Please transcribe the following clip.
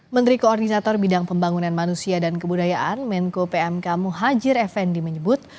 menteri koordinator bidang pembangunan manusia dan kebudayaan menko pmk muhajir effendi menyebut